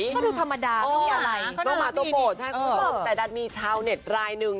ก็ดูธรรมดาไม่มีอะไรน้องหมาตัวโปรดให้คุณผู้ชมแต่ดันมีชาวเน็ตรายหนึ่ง